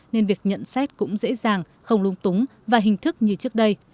nên việc nhận xét cũng dễ dàng không lung túng và hình thức như trước đây